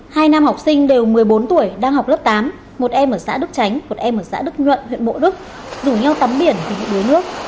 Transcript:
hai nam học sinh đều một mươi bốn tuổi đang học lớp tám một em ở xã đức chánh một em ở xã đức nhuận huyện mộ đức rủ nhau tắm biển vì đuối nước